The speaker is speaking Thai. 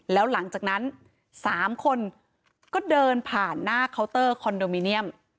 แล้วหลังจากนั้น๓คนก็เดินผ่านหน้าเคาน์เตอร์คอนโดมิเนียม